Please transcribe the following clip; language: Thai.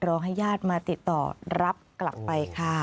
ให้ญาติมาติดต่อรับกลับไปค่ะ